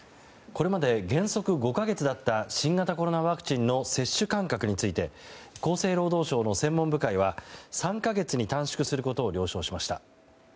これまで原則５か月だった新型コロナワクチンの接種間隔について厚生労働省の専門部会は３か月に短縮することを了承しました。